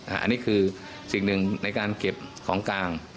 อันนี้คือสิ่งหนึ่งในการเก็บของกลาง